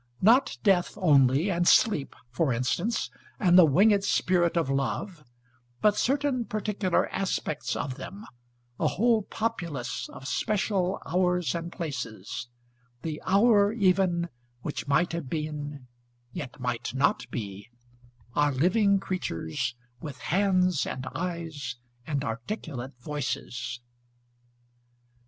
Not Death only and Sleep, for instance, and the winged spirit of Love, but certain particular aspects of them, a whole "populace" of special hours and places, "the hour" even "which might have been, yet might not be," are living creatures, with hands and eyes and articulate voices.